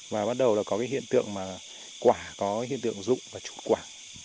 và bắt đầu là có cái hiện tượng mà quả có hiện tượng rụng và trút quả